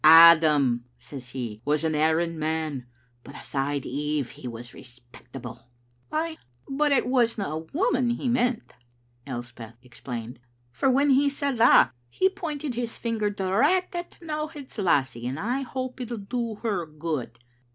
'Adam,' says he, 'was an erring man, but aside Eve he was respectable. '" "Ay, but it wasna a' women he meant," Elspeth ex plained, " for when he said that, he pointed his finger direct at T'nowhead's lassie, and I hope it'll do her good."